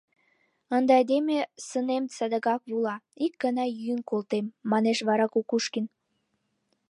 — Ынде айдеме сынем садыгак вола, ик гана йӱын колтем! — манеш вара Кукушкин.